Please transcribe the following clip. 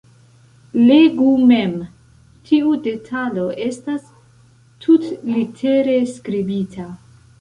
Legu mem: tiu detalo estas tutlitere skribita.